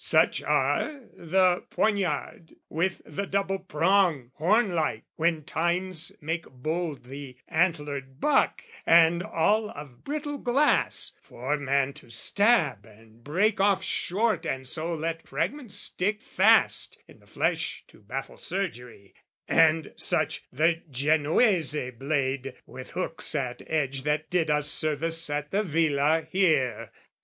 Such are the poignard with the double prong, Horn like, when tines make bold the antlered buck, And all of brittle glass for man to stab And break off short and so let fragment stick Fast in the flesh to baffle surgery: And such the Genoese blade with hooks at edge That did us service at the Villa here.